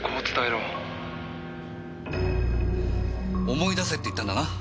思い出せって言ったんだな？